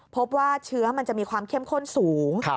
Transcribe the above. พบว่าเชื้อมันจะมีความเข้มข้นสูง